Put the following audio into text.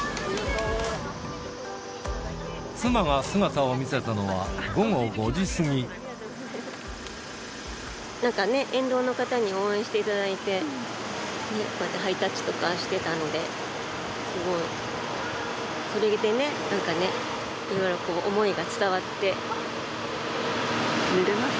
妻が姿を見せたのは午後５時なんかね、沿道の方に応援していただいて、こうやってハイタッチとかしてたので、すごい、それでね、なんかね、思いが伝わって。